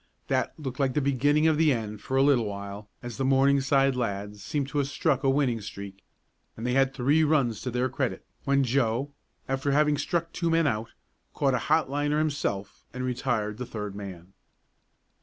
That looked like the beginning of the end for a little while, as the Morningside lads seemed to have struck a winning streak and they had three runs to their credit when Joe, after having struck two men out, caught a hot liner himself and retired the third man.